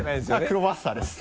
クロワッサです。